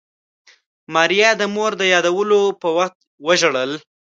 ماريا د مور د يادولو په وخت وژړل.